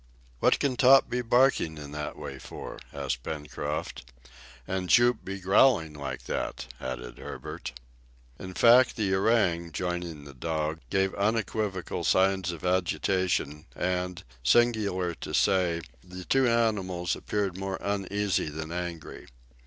"What can Top be barking in that way for?" asked Pencroft. "And Jup be growling like that?" added Herbert. In fact the orang, joining the dog, gave unequivocal signs of agitation, and, singular to say, the two animals appeared more uneasy than angry.